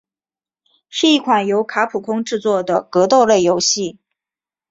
是一款由卡普空制作的格斗类游戏。